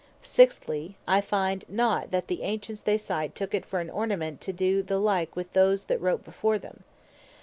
Sixtly, I find not that the Ancients they cite, took it for an Ornament, to doe the like with those that wrote before them.